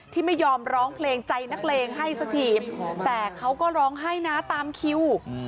ที่ไม่ยอมร้องเพลงใจนักเลงให้สักทีแต่เขาก็ร้องไห้นะตามคิว